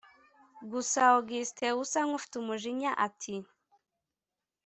gusa august usa nkufite umujinya ati’